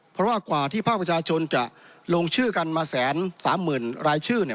เพราะว่ากว่าที่ภาคประชาชนจะลงชื่อกันมาแสนสามหมื่นรายชื่อเนี่ย